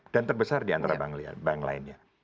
dan terbesar diantara bank lainnya